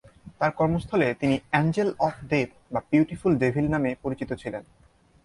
তার কর্মস্থলে তিনি "অ্যাঞ্জেল অফ ডেথ" বা "বিউটিফুল ডেভিল" নামে পরিচিত ছিলেন।